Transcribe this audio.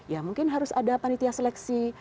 ya mungkin harus ada panitia seleksi